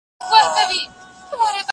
هغه وويل چي انځورونه مهم دي؟